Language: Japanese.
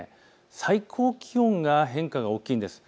最高気温が変化が大きいんです。